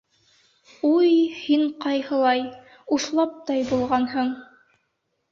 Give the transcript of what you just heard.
Уй, һин ҡайһылай... уҫлаптай булғанһың!